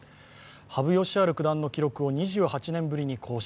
羽生善治九段の記録を２８年ぶりに更新。